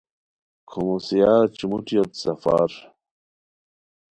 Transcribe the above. کھوموسیار چوموٹیوت سفر